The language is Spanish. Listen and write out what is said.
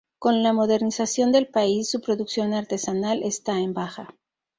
Con la modernización del país, su producción artesanal está en baja.